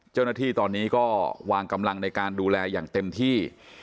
เจ้าหน้าที่ตอนนี้ก็วางกำลังในการดูแลอย่างเต็มที่